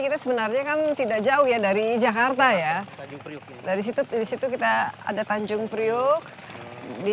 kita sebenarnya kan tidak jauh ya dari jakarta ya dari situ disitu kita ada tanjung priok di